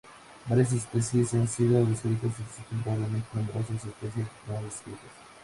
Varias especies han sido descritas y existen probablemente numerosas especies no descritas.